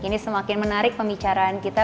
ini semakin menarik pembicaraan kita